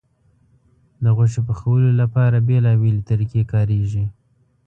د غوښې پخولو لپاره بیلابیلې طریقې کارېږي.